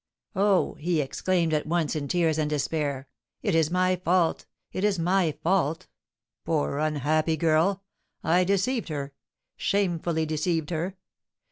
"Oh," he exclaimed, at once in tears and despair, "it is my fault, it is my fault! Poor, unhappy girl! I deceived her, shamefully deceived her!